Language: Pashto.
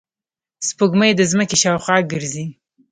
سپوږمۍ د ځمکې شاوخوا ګرځي